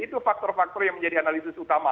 itu faktor faktor yang menjadi analisis utama